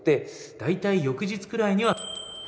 大体翌日くらいには